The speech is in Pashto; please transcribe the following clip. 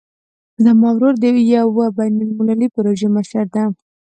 زما ورور د یوې بین المللي پروژې مشر ده